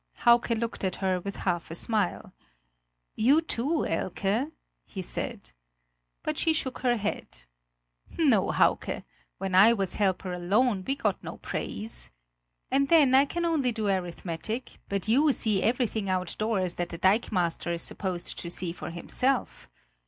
Hauke looked at her with a half smile. "You too, Elke!" he said. But she shook her head: "No, Hauke; when I was helper alone, we got no praise. And then, I can only do arithmetic; but you see everything outdoors that the dikemaster is supposed to see for himself.